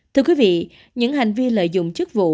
thưa quý vị những hành vi lợi dụng chức vụ